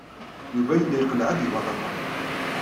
Yuba yella iqelleɛ-d lbaṭaṭa.